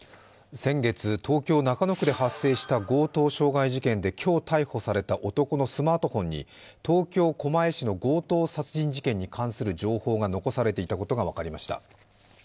先月、東京・中野区で発生した強盗傷害事件で今日逮捕された男のスマートフォンに東京・狛江市の強盗殺人事件に関する情報が残されていたことが分かりました。